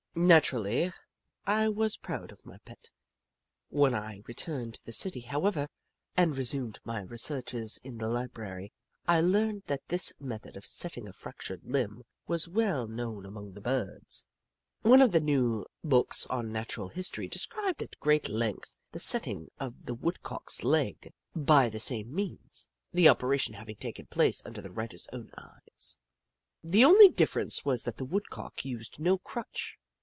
Naturally, I was proud of my pet. When I returned to the city, however, and resumed my researches in the library, I learned that this method of setting a fractured limb was well known among the Birds. One of the new books on Natural History described at great length the setting of a Woodcock's leg by the " I'ut the crutch under his wing, and with tliis improvised crutcli, went back to the cabin." Jim Crow n? same means, the operation having taken place under the writer's own eyes. The only differ ence was that the Woodcock used no crutch.